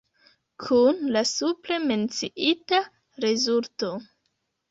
Kun la supre menciita rezulto.